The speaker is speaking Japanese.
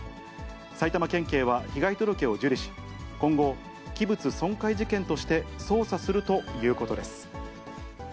埼玉県警は被害届を受理し、今後、器物損壊事件として捜査するということです。